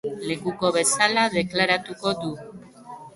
Lekuko bezala deklaratuko du.